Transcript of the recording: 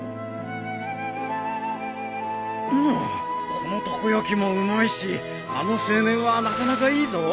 このたこ焼きもうまいしあの青年はなかなかいいぞ。